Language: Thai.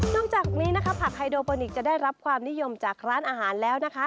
นอกจากนี้ผักไฮโดโปนิคจะได้รับความนิยมจากร้านอาหารแล้ว